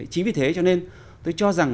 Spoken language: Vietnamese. chính vì thế cho nên tôi cho rằng